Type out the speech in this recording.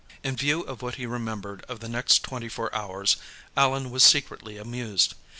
In view of what he remembered of the next twenty four hours, Allan was secretly amused.